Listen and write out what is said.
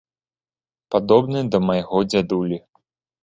Падобны да майго дзядулі.